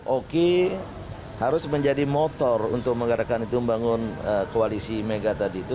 oki harus menjadi motor untuk mengadakan itu membangun koalisi mega tadi itu